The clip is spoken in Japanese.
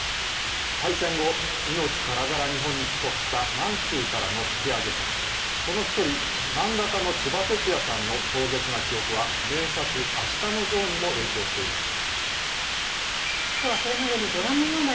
敗戦後、命からがら日本に帰国した満州からの引き揚げ者、その一人、漫画家のちばてつやさんの壮絶な記憶は名作「あしたのジョー」にも影響していました。